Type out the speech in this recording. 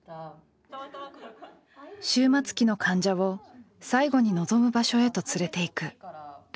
終末期の患者を最後に望む場所へと連れて行く「ラストドライブ」。